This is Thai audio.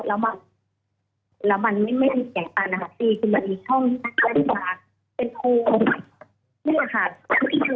แล้วมันแล้วมันไม่ไม่มีแก่ตันนะคะมันมีช่องที่น่าจะเป็นพื้นที่น่าจะอยู่ใครค่ะ